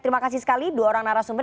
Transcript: terima kasih sekali dua orang narasumber